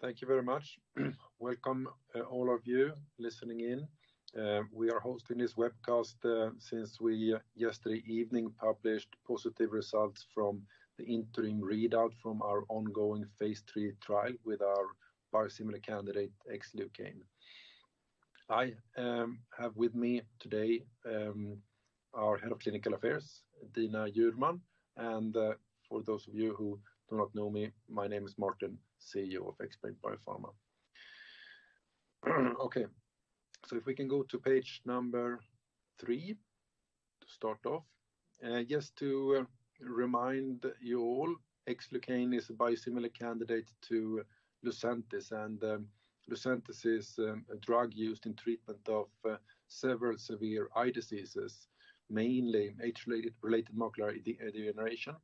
Thank you very much. Welcome all of you listening in. We are hosting this webcast since we yesterday evening published positive results from the interim readout from our ongoing phase III trial with our biosimilar candidate, Xlucane. I have with me today our Head of Clinical Affairs, Dina Jurman. For those of you who do not know me, my name is Martin, CEO of Xbrane Biopharma. Okay. If we can go to page number three to start off. Just to remind you all, Xlucane is a biosimilar candidate to LUCENTIS, and LUCENTIS is a drug used in treatment of several severe eye diseases, mainly age-related macular degeneration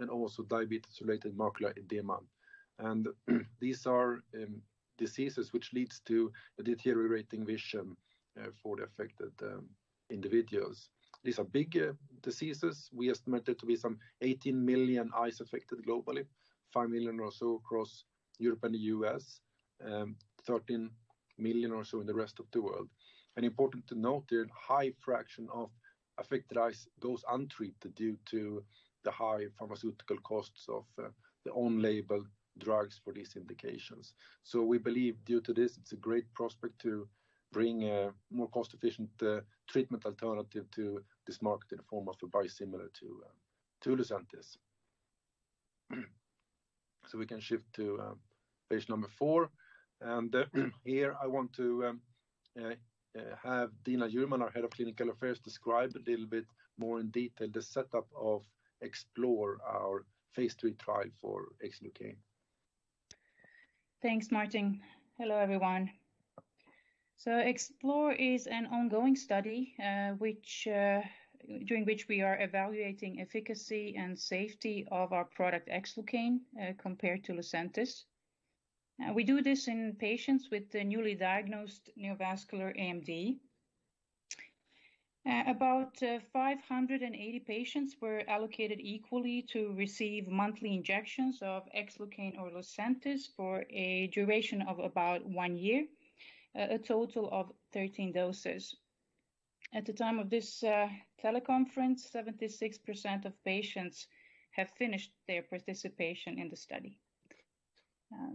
and also diabetes-related macular edema. These are diseases which leads to a deteriorating vision for the affected individuals. These are big diseases.. We estimate there to be some 18 million eyes affected globally, 5 million or so across Europe and the U.S., 13 million or so in the rest of the world. Important to note, a high fraction of affected eyes, those untreated due to the high pharmaceutical costs of the on-label drugs for these indications. We believe due to this, it's a great prospect to bring a more cost-efficient treatment alternative to this market in the form of a biosimilar to LUCENTIS. We can shift to page number four, and here I want to have Dina Jurman, our Head of Clinical Affairs, describe a little bit more in detail the setup of XPLORE, our phase III trial for Xlucane. Thanks, Martin. Hello, everyone. XPLORE is an ongoing study, during which we are evaluating efficacy and safety of our product, Xlucane, compared to Lucentis. We do this in patients with newly diagnosed neovascular AMD. About 580 patients were allocated equally to receive monthly injections of Xlucane or LUCENTIS for a duration of about one year, a total of 13 doses. At the time of this teleconference, 76% of patients have finished their participation in the study.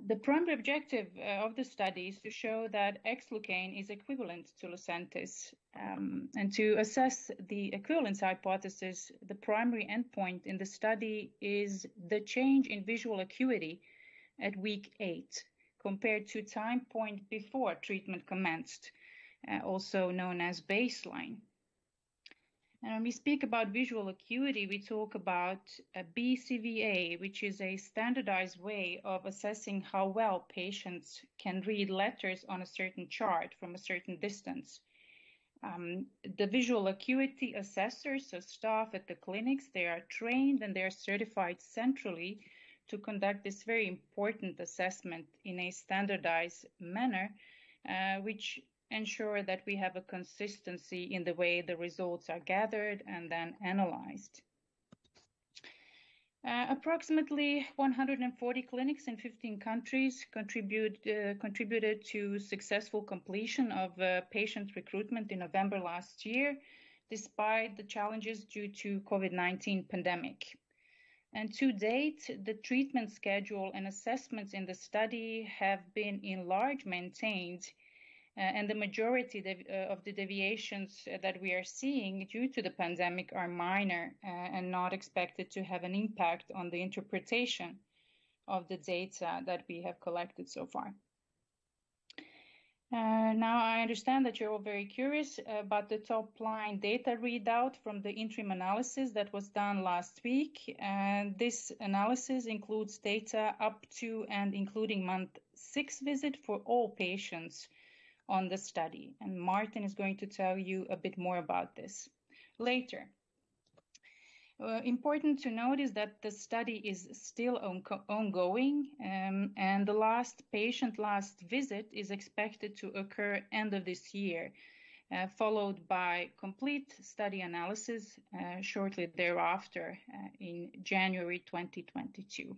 The primary objective of the study is to show that Xlucane is equivalent to Lucentis. To assess the equivalence hypothesis, the primary endpoint in the study is the change in visual acuity at week eight compared to time point before treatment commenced, also known as baseline. When we speak about visual acuity, we talk about BCVA, which is a standardized way of assessing how well patients can read letters on a certain chart from a certain distance. The visual acuity assessors are staff at the clinics. They are trained, and they are certified centrally to conduct this very important assessment in a standardized manner, which ensure that we have a consistency in the way the results are gathered and then analyzed. Approximately 140 clinics in 15 countries contributed to successful completion of patient recruitment in November last year, despite the challenges due to COVID-19 pandemic. To date, the treatment schedule and assessments in the study have been in large maintained, and the majority of the deviations that we are seeing due to the pandemic are minor and not expected to have an impact on the interpretation of the data that we have collected so far. I understand that you're all very curious about the top-line data readout from the interim analysis that was done last week, and this analysis includes data up to and including month six visit for all patients on the study. Martin is going to tell you a bit more about this later. Important to note is that the study is still ongoing, and the last patient last visit is expected to occur end of this year, followed by complete study analysis shortly thereafter in January 2022.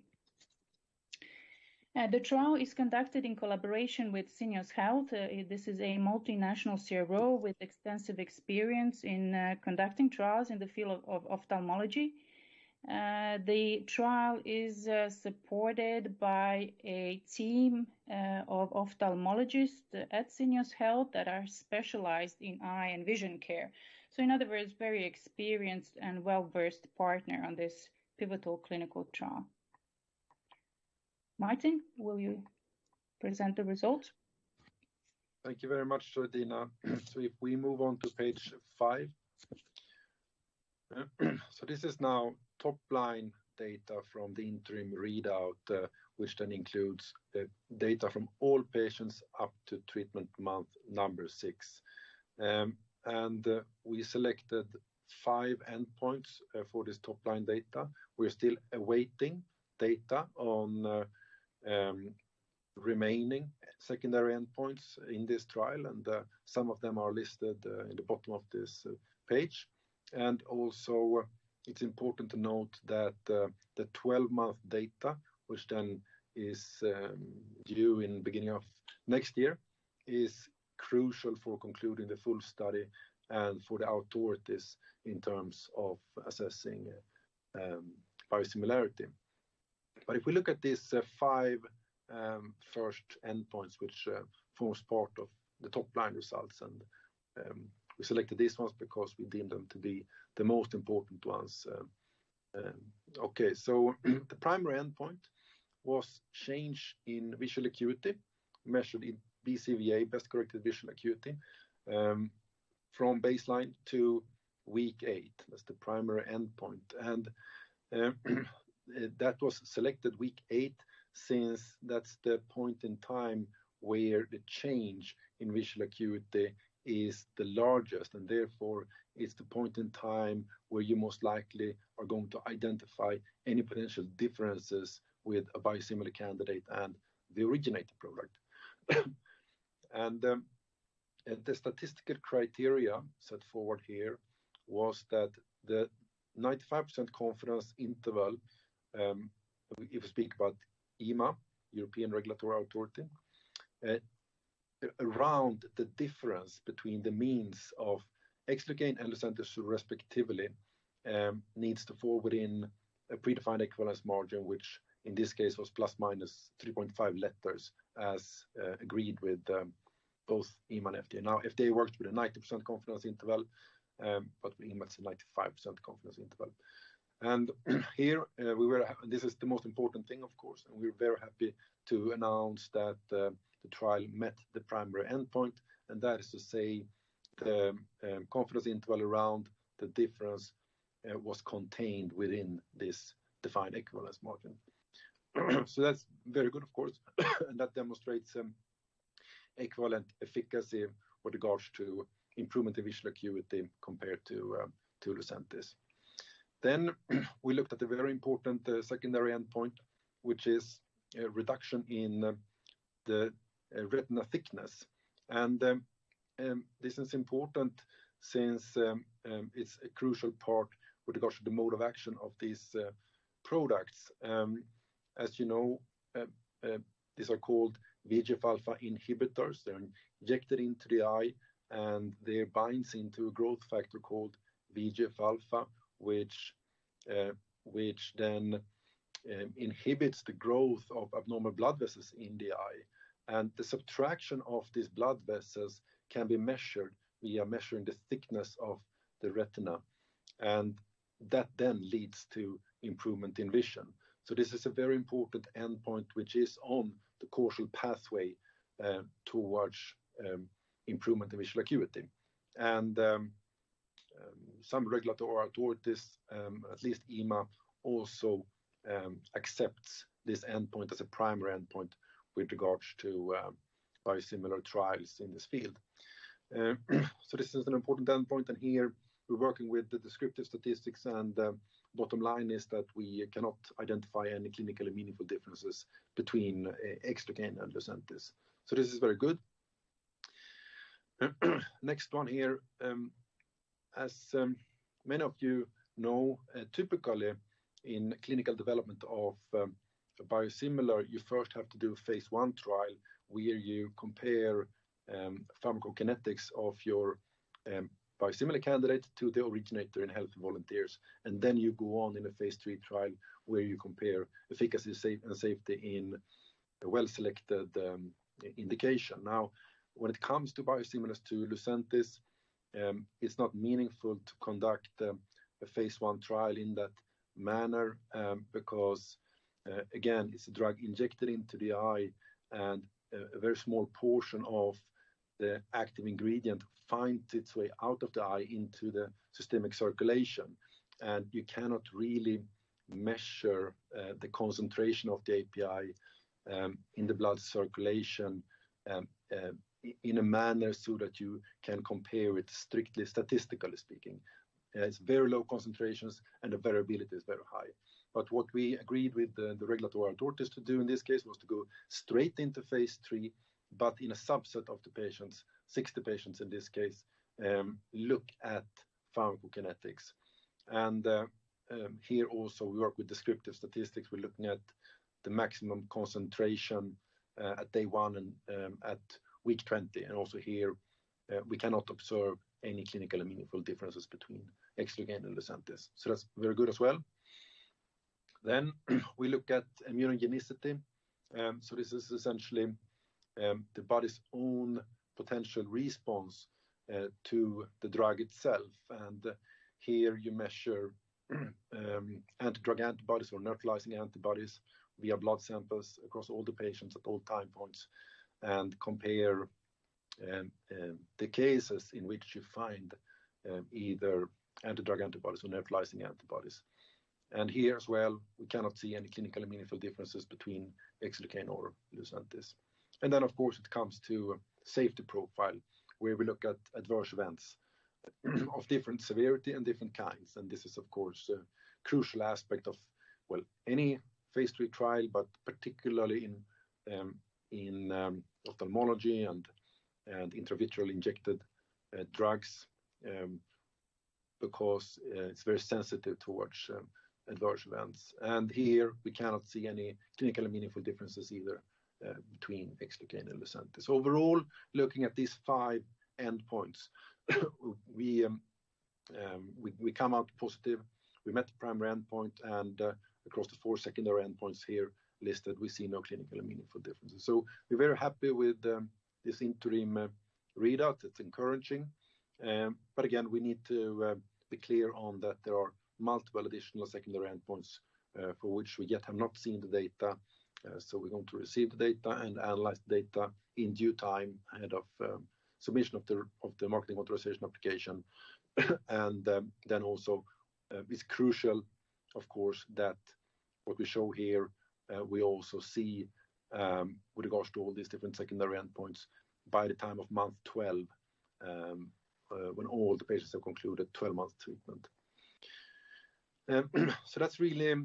The trial is conducted in collaboration with Syneos Health. This is a multinational CRO with extensive experience in conducting trials in the field of ophthalmology. The trial is supported by a team of ophthalmologists at Syneos Health that are specialized in eye and vision care. In other words, very experienced and well-versed partner on this pivotal clinical trial. Martin, will you present the results? Thank you very much, Dina. If we move on to page five. This is now top-line data from the interim readout, which then includes data from all patients up to treatment month number six. We selected five endpoints for this top-line data. We are still awaiting data on remaining secondary endpoints in this trial, and some of them are listed in the bottom of this page. Also it is important to note that the 12-month data, which then is due in beginning of next year, is crucial for concluding the full study and for the authorities in terms of assessing biosimilarity. If we look at these five first endpoints, which forms part of the top-line results, and we selected these ones because we deemed them to be the most important ones. Okay. The primary endpoint was change in visual acuity measured in BCVA, best corrected visual acuity, from baseline to week eight. That is the primary endpoint. That was selected week 8 since that is the point in time where the change in visual acuity is the largest and therefore is the point in time where you most likely are going to identify any potential differences with a biosimilar candidate and the originator product. The statistical criteria set forward here was that the 95% confidence interval, if we speak about EMA, European Regulatory Authority, around the difference between the means of Xlucane and LUCENTIS respectively needs to fall within a predefined equivalence margin, which in this case was ±3.5 letters as agreed with both EMA and FDA. FDA worked with a 90% confidence interval, but EMA, it is a 95% confidence interval. Here, this is the most important thing, of course, we're very happy to announce that the trial met the primary endpoint, and that is to say the confidence interval around the difference was contained within this defined equivalence margin. That's very good of course, and that demonstrates equivalent efficacy with regards to improvement in visual acuity compared to LUCENTIS. We looked at the very important secondary endpoint, which is reduction in the retinal thickness. This is important since it's a crucial part with regards to the mode of action of these products. As you know, these are called VEGF-A inhibitors. They're injected into the eye, and they binds into a growth factor called VEGF-A which then inhibits the growth of abnormal blood vessels in the eye. The subtraction of these blood vessels can be measured via measuring the thickness of the retina, and that then leads to improvement in vision. This is a very important endpoint, which is on the causal pathway towards improvement in visual acuity. Some regulatory authorities, at least EMA also accepts this endpoint as a primary endpoint with regards to biosimilar trials in this field. This is an important endpoint, and here we're working with the descriptive statistics and the bottom line is that we cannot identify any clinically meaningful differences between Xlucane and Lucentis. This is very good. Next one here. As many of you know, typically in clinical development of a biosimilar, you first have to do a phase I trial where you compare pharmacokinetics of your biosimilar candidate to the originator in healthy volunteers, then you go on in a phase III trial where you compare efficacy and safety in the well-selected indication. Now, when it comes to biosimilars to LUCENTIS, it's not meaningful to conduct a phase I trial in that manner because, again, it's a drug injected into the eye and a very small portion of the active ingredient finds its way out of the eye into the systemic circulation. You cannot really measure the concentration of the API in the blood circulation in a manner so that you can compare it strictly statistically speaking. It's very low concentrations and the variability is very high. What we agreed with the regulatory authorities to do in this case was to go straight into phase III, but in a subset of the patients, 60 patients in this case, look at pharmacokinetics. Here also we work with descriptive statistics. We're looking at the maximum concentration at day one and at week 20. Also here we cannot observe any clinical meaningful differences between Xlucane and Lucentis. That's very good as well. We look at immunogenicity. This is essentially the body's own potential response to the drug itself. Here you measure anti-drug antibodies or neutralizing antibodies via blood samples across all the patients at all time points and compare the cases in which you find either anti-drug antibodies or neutralizing antibodies. Here as well, we cannot see any clinically meaningful differences between Xlucane or LUCENTIS. Of course it comes to safety profile, where we look at adverse events of different severity and different kinds. This is, of course, a crucial aspect of any phase III trial, but particularly in ophthalmology and intravitreal injected drugs, because it's very sensitive towards adverse events. Here we cannot see any clinically meaningful differences either between Xlucane and LUCENTIS. Overall, looking at these five endpoints, we come out positive. We met the primary endpoint and across the four secondary endpoints here listed, we see no clinically meaningful differences. We're very happy with this interim readout. It's encouraging. Again, we need to be clear on that there are multiple additional secondary endpoints for which we yet have not seen the data. We're going to receive the data and analyze the data in due time ahead of submission of the marketing authorization application. Also it's crucial, of course, that what we show here, we also see with regards to all these different secondary endpoints by the time of month 12, when all the patients have concluded 12 months treatment. That's really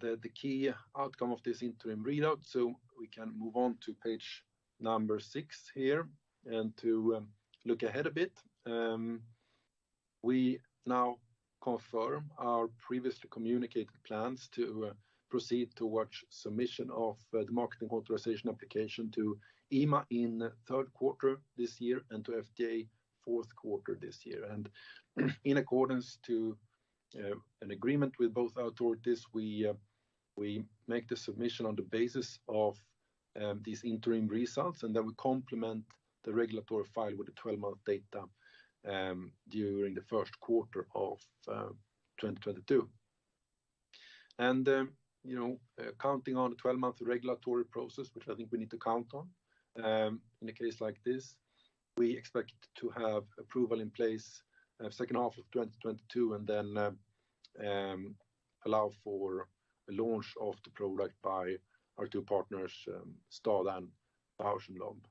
the key outcome of this interim readout. We can move on to page number 6 here and to look ahead a bit. We now confirm our previously communicated plans to proceed towards submission of the marketing authorization application to EMA in the third quarter this year and to FDA fourth quarter this year. In accordance to an agreement with both authorities, we make the submission on the basis of these interim results, then we complement the regulatory file with the 12-month data during the first quarter of 2022. Counting on the 12-month regulatory process, which I think we need to count on in a case like this, we expect to have approval in place second half of 2022, then allow for a launch of the product by our two partners, STADA and Bausch + Lomb.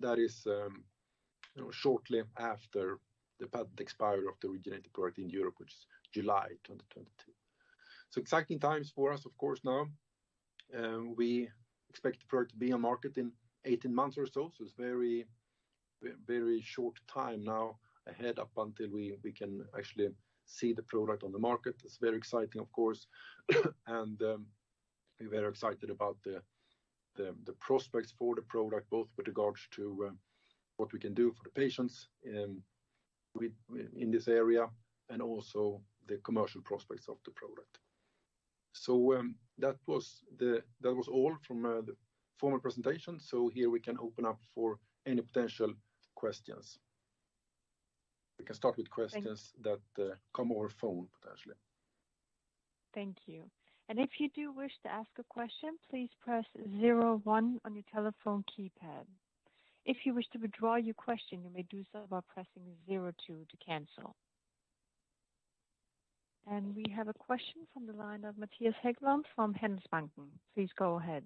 That is shortly after the patent expiry of the reference product in Europe, which is July 2022. Exciting times for us, of course, now. We expect the product to be on market in 18 months or so. It's very short time now ahead up until we can actually see the product on the market. It's very exciting, of course. We're very excited about the prospects for the product, both with regards to what we can do for the patients in this area and also the commercial prospects of the product. That was all from the formal presentation. Here we can open up for any potential questions. We can start with questions that come over phone, potentially. Thank you. We have a question from the line of Mattias Häggblom from Handelsbanken. Please go ahead.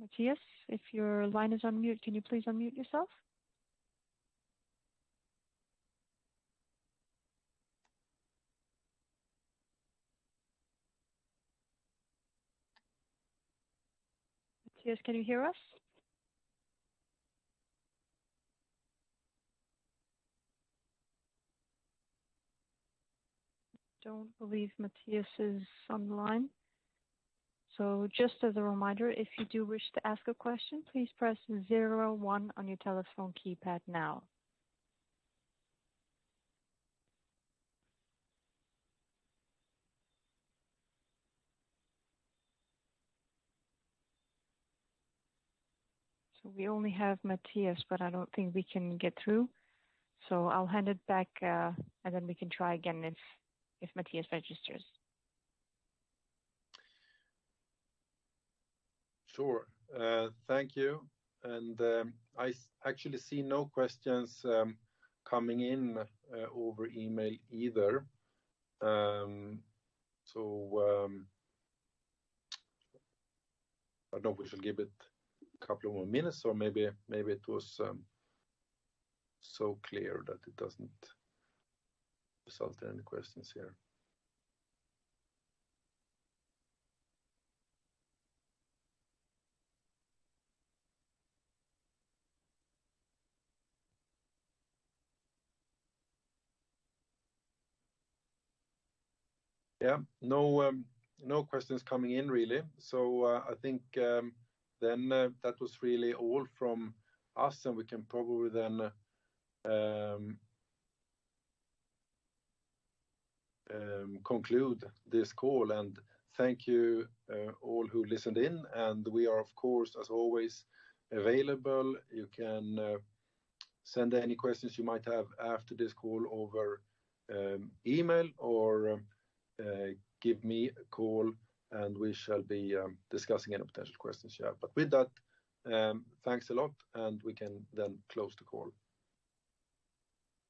Mattias, if your line is on mute, can you please unmute yourself? Mattias, can you hear us? I don't believe Mattias is on the line. We only have Mattias, but I don't think we can get through. I'll hand it back, and then we can try again if Mattias registers. Sure. Thank you. I actually see no questions coming in over email either. I don't know. We should give it a couple more minutes, or maybe it was so clear that it doesn't result in any questions here. Yeah. No questions coming in really. I think that was really all from us, and we can probably conclude this call. Thank you all who listened in, and we are of course, as always, available. You can send any questions you might have after this call over email or give me a call and we shall be discussing any potential questions you have. With that, thanks a lot, and we can close the call.